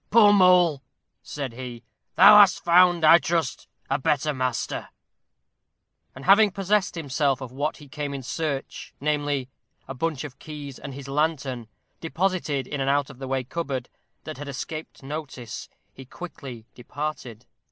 "Poor Mole!" said he, "thou hast found, I trust, a better master." And having possessed himself of what he came in search namely, a bunch of keys and his lantern, deposited in an out of the way cupboard, that had escaped notice, he quickly departed.